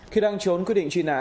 khi đang trốn quyết định truy nã